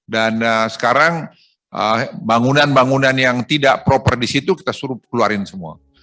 dan sekarang bangunan bangunan yang tidak proper di situ kita suruh keluarin semua